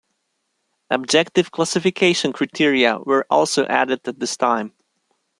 Objective classification criteria were also added at this time.